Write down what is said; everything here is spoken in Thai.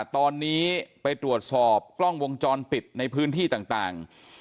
ตอนนี้ไปตรวจสอบกล้องวงจรปิดในพื้นที่ต่าง